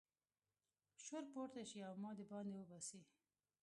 شور پورته شي او ما د باندې وباسي.